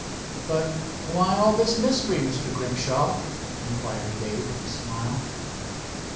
"But why all this mystery, Mr. Grimshaw?" inquired Dave with a smile.